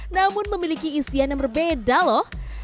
namun memiliki isian yang berbeda loh